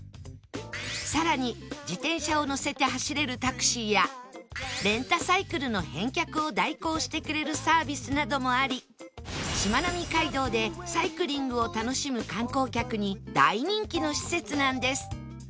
さらに自転車をのせて走れるタクシーやレンタサイクルの返却を代行してくれるサービスなどもありしまなみ海道でサイクリングを楽しむ観光客に大人気の施設なんです